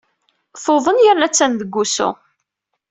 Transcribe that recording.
Tuḍen yerna attan deg wusu.